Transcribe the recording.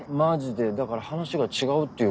だから話が違うっていうか。